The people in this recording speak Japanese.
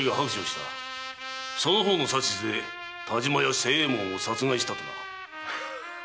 その方の指図で田島屋清右衛門を殺害したとな。